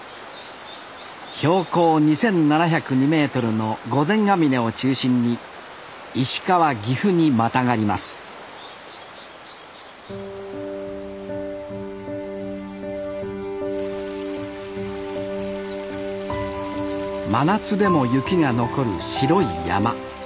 標高２，７０２メートルの御前峰を中心に石川岐阜にまたがります真夏でも雪が残る白い山。